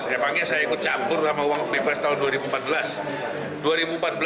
emangnya saya ikut campur sama uang bebas tahun dua ribu empat belas